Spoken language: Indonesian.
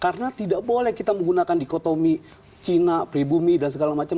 karena tidak boleh kita menggunakan dikotomi cina pribumi dan segala macam